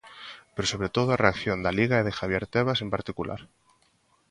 Pero sobre todo a reacción da Liga e de Javier Tebas en particular.